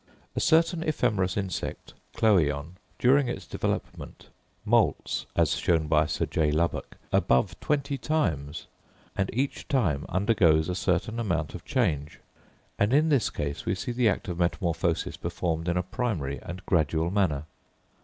A certain ephemerous insect (Chlöeon) during its development, moults, as shown by Sir J. Lubbock, above twenty times, and each time undergoes a certain amount of change; and in this case we see the act of metamorphosis performed in a primary and gradual manner.